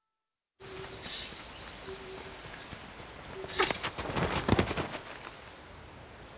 あっ！